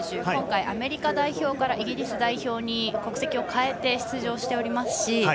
今回、アメリカ代表からイギリス代表に国籍を変えて出場しておりますし。